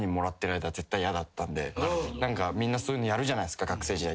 みんなそういうのやるじゃないですか学生時代。